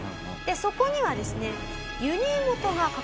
そこにはですね。